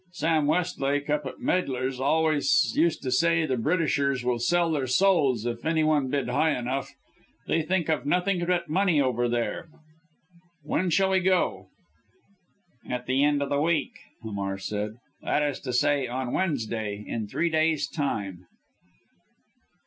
Sam Westlake up at Meidler's always used to say the Britishers would sell their souls if any one bid high enough. They think of nothing but money over there. When shall we go?" "At the end of our week," Hamar said, "that is to say on Wednesday in three days' time."